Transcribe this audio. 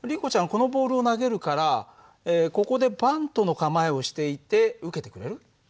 このボールを投げるからここでバントの構えをしていて受けてくれる？